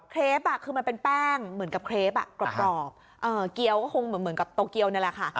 เครปคือมันเป็นแป้งเหมือนกับเครปกรอบเกียวก็คงเหมือนกับโตเกียวนี่แหละค่ะ